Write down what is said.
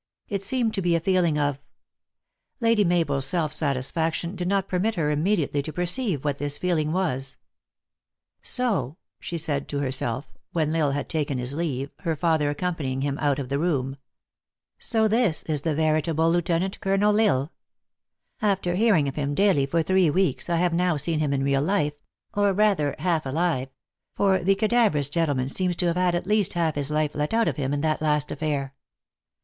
It seemed to be a feeling of Lady Mabel s self satisfaction did not permit her im mediately to perceive what this feeling was. " So," said she to herself, when L Isle had taken his 42 THE ACTRESS IN HIGH LIFE. leave, her father accompanying him out of the room, " So this is the veritable Lieutenant Colonel L Isle ! After hearing of him daily for three weeks, I have now seen him in real life, or rather, half alive; for the cadaverous gentleman seems to have had at least half his life let out of him in that last affair.